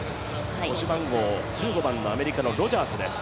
腰番号１５番のアメリカのロジャースです。